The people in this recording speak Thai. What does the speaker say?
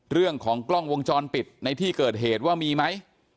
เรื่องของกล้องวงจรปิดในที่เกิดเหตุว่ามีไหม